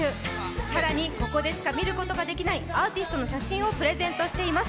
更にここでしか見ることができないアーティストの写真をプレゼントしています。